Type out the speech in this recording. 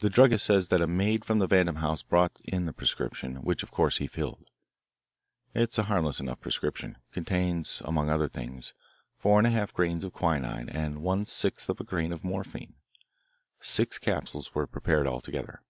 The druggist says that a maid from the Vandam house brought in the prescription, which of course he filled. It is a harmless enough prescription contains, among other things, four and a half grains of quinine and one sixth of a grain of morphine. Six capsules were prepared altogether.